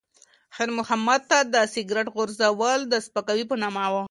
خیر محمد ته د سګرټ غورځول د سپکاوي په مانا و.